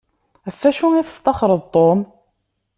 Ɣef acu i testaxṛeḍ Tom?